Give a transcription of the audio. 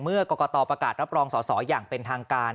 เมื่อกรกตประกาศรับรองสอสออย่างเป็นทางการ